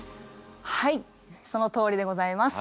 はいそのとおりでございます。